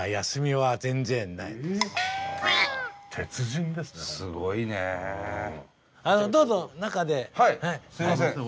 はいすいません